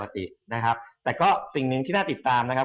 แต่ก็สิ่งหนึ่งที่น่าติดตามนะครับ